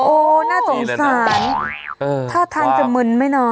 โอ้หน้าสงสาร